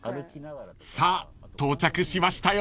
［さあ到着しましたよ］